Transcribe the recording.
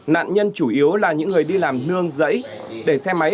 nạn nhân chủ yếu là những người đi làm nương giấy